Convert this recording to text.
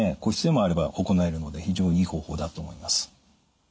個室でもあれば行えるので非常にいい方法だと思います。